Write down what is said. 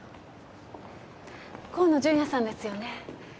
河野純也さんですよね？